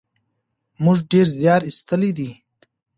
موږ ډېر زیار ایستلی دی.